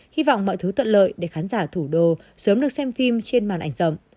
hy vọng mọi thứ thuận lợi để khán giả thủ đô sớm được xem phim trên màn ảnh rộng